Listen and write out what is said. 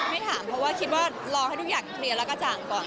ไม่ถามเพราะว่าคิดว่ารอให้ทุกอย่างเคลียร์แล้วก็จ่างก่อน